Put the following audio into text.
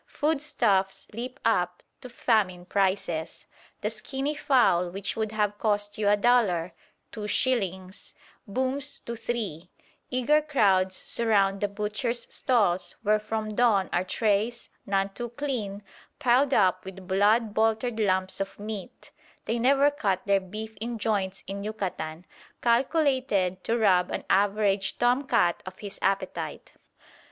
Foodstuffs leap up to famine prices. The skinny fowl which would have cost you a dollar (two shillings) "booms" to three; eager crowds surround the butchers' stalls where from dawn are trays, none too clean, piled up with blood boltered lumps of meat (they never cut their beef in joints in Yucatan) calculated to rob an average tom cat of his appetite.